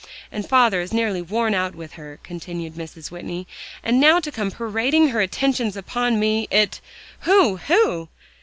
"And father is nearly worn out with her," continued Mrs. Whitney. "And now to come parading her attentions upon me, it" "Who who?"